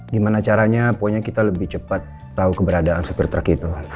gimana caranya kita lebih cepat tahu keberadaan sepiritruk itu